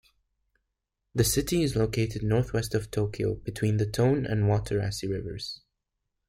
The city is located northwest of Tokyo between the Tone and Watarase rivers.